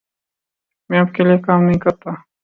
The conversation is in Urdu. میں آپ کے لئے کام نہیں کرتا۔